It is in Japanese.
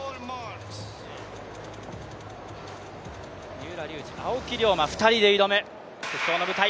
三浦龍司、青木涼真、２人で挑む決勝の舞台。